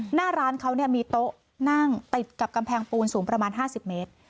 หน้าร้านเขามีโต๊ะนั่งติดกับกำแพงปูนสูงประมาณ๕๐เมตร